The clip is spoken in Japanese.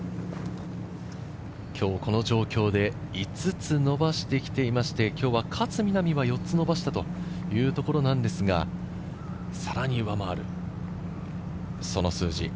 今日この状況で５つ伸ばしてきていまして、今日は勝みなみが４つ伸ばしたというところなんですが、さらに上回るその数字。